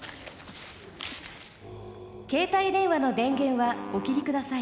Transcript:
携帯電話の電源はお切り下さい。